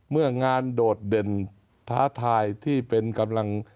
เมื่องานโดดเด่นท้าทายที่เป็นกำลัง